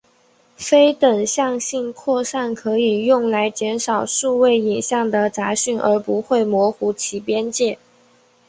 非等向性扩散可以用来减少数位影像的杂讯而不会模糊其边界。